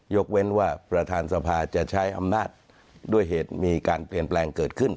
เว้นว่าประธานสภาจะใช้อำนาจด้วยเหตุมีการเปลี่ยนแปลงเกิดขึ้น